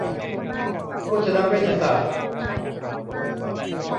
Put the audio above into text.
โภชนเวชศาสตร์